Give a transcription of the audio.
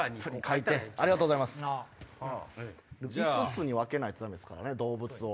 ５つに分けないとダメですからね動物を。